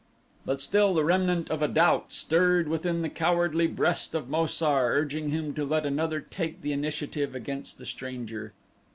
But still the remnant of a doubt stirred within the cowardly breast of Mo sar, urging him to let another take the initiative against the stranger.